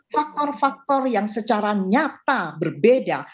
faktor faktor yang secara nyata berbeda